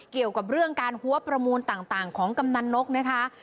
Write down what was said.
เกี่ยวกับเรื่องการหัวประมูลต่างของกำนันนกนะคะ